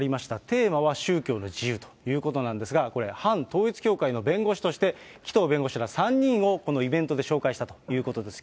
テーマは宗教の自由ということなんですが、これ、反統一教会の弁護士として、紀藤弁護士ら３人をこのイベントで紹介したということです。